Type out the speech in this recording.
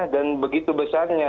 dan begitu besarnya